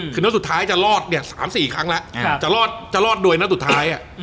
คือนับสุดท้ายจะรอดเนี่ย๓๔ครั้งละจะรอดด้วยนับสุดท้ายอ่ะ